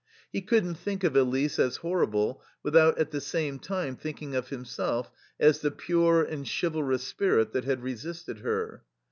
He couldn't think of Elise as horrible without at the same time thinking of himself as the pure and chivalrous spirit that had resisted her.